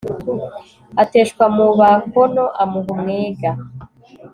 ateshwa mu bakono amuha umwega